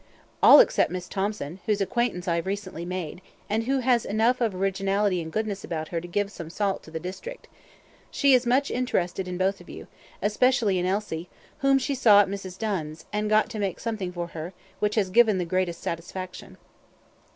"All except Miss Thomson, whose acquaintance I have recently made, and who has enough of originality and goodness about her to give some salt to the district. She is much interested in both of you; especially in Elsie, whom she saw at Mrs. Dunn's, and got to make something for her, which has given the greatest satisfaction."